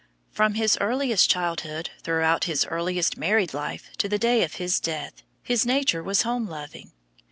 From his earliest childhood, throughout his earliest married life to the day of his death, his nature was home loving.